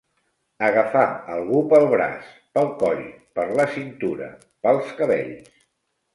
Agafar algú pel braç, pel coll, per la cintura, pels cabells.